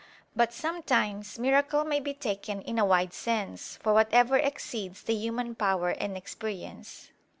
But sometimes miracle may be taken in a wide sense, for whatever exceeds the human power and experience.